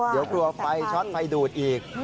เดี๋ยวกลัวไฟช็อตไฟดูดอีก